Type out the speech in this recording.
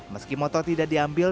meski motor tidak diambil